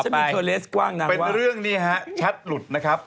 เป็นเรื่องนี้ชัดหลุดนะครับ